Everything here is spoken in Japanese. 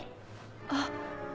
あっ。